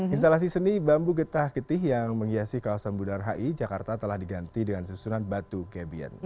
instalasi seni bambu getah ketih yang menghiasi kawasan bundar hi jakarta telah diganti dengan susunan batu gabion